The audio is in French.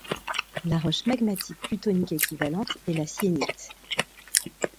La roche magmatique plutonique équivalente est la syénite.